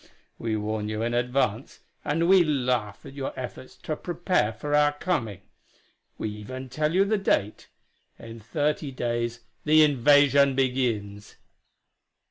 We warn you in advance, and we laugh at your efforts to prepare for our coming. We even tell you the date: in thirty days the invasion begins.